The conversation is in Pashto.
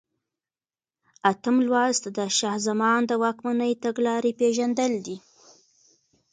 اتم لوست د شاه زمان د واکمنۍ تګلارې پېژندل دي.